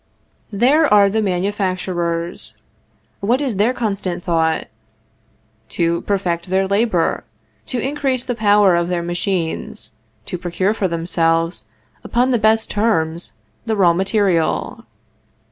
There are the manufacturers; what is their constant thought? To perfect their labor, to increase the power of their machines, to procure for themselves, upon the best terms, the raw material.